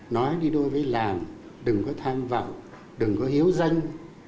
nói đi đôi với làm đừng có tham vọng đừng có hiếu dân